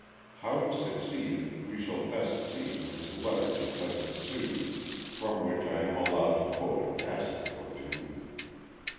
How he succeeded we shall best see from his letter to Cousin Sudie, from which I am allowed to quote a passage or two.